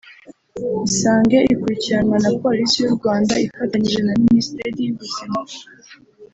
Isange ikurikiranwa na Polisi y’u Rwanda ifatanyije na Minisiteri y’Ubuzima